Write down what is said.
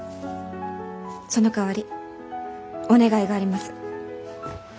そのかわりお願いがあります。